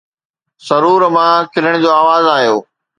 سرور مان کلڻ جو آواز آيو